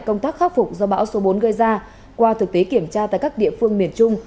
công tác khắc phục do bão số bốn gây ra qua thực tế kiểm tra tại các địa phương miền trung